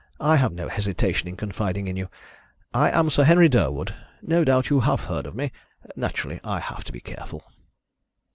I have no hesitation in confiding in you. I am Sir Henry Durwood no doubt you have heard of me. Naturally, I have to be careful."